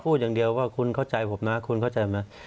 พูดอย่างเดียวว่าคุณเข้าใจผมนะคุณเข้าใจไหม